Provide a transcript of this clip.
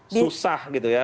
susah gitu ya